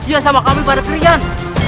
iya sama kami pada krian